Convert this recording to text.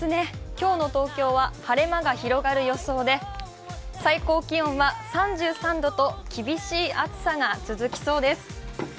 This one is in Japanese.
今日の東京は晴れ間が広がる予想で最高気温は３３度と、厳しい暑さが続きそうです。